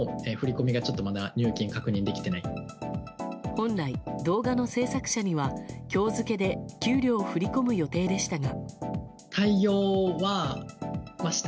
本来、動画の制作者には今日付で給料を振り込む予定でしたが。